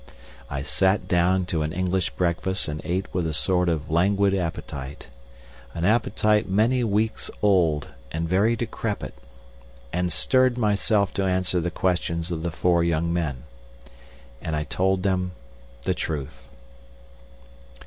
I sat down to an English breakfast and ate with a sort of languid appetite—an appetite many weeks old and very decrepit—and stirred myself to answer the questions of the four young men. And I told them the truth.